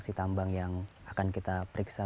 kita posisinya sekarang sekitar setengah jam